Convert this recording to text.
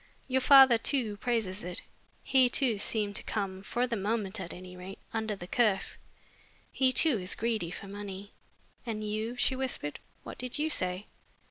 Your father, too, praises it. He, too, seemed to come for the moment, at any rate under the curse. He, too, is greedy for money." "And you?" she whispered. "What did you say?